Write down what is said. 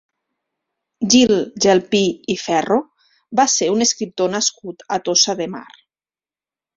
Gil Gelpí i Ferro va ser un escriptor nascut a Tossa de Mar.